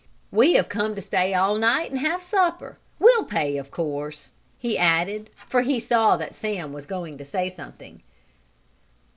"We have come to stay all night and have supper. We'll pay, of course," he added, for he saw that Sam was going to say something.